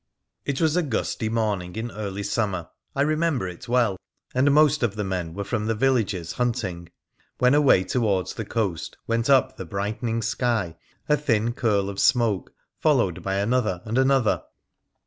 It was a gusty morning in early summer — I remember it well — and most of the men were from the villages hunting, when away towards the coast went up to the brightening sky a thin curl of smoke followed by another and another.